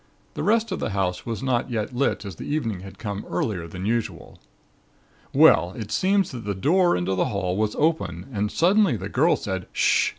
The rest of the house was not yet lit as the evening had come earlier than usual. "Well, it seems that the door into the hall was open and suddenly the girl said: 'H'sh!